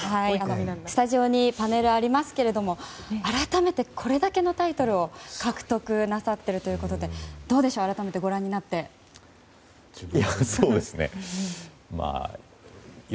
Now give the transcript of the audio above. スタジオにパネルありますけども改めて、これだけのタイトルを獲得なさっているということで改めてご覧になってどうでしょう。